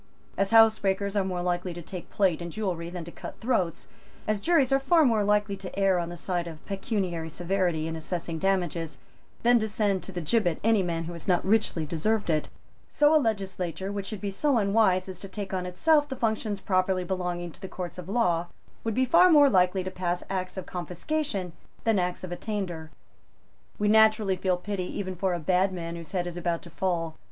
As housebreakers are more likely to take plate and jewellery than to cut throats; as juries are far more likely to err on the side of pecuniary severity in assessing damages than to send to the gibbet any man who has not richly deserved it; so a legislature, which should be so unwise as to take on itself the functions properly belonging to the Courts of Law, would be far more likely to pass Acts of Confiscation than Acts of Attainder. We naturally feel pity even for a bad man whose head is about to fall.